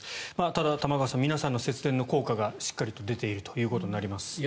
ただ、玉川さん皆さんの節電の効果がしっかりと出ているということになります。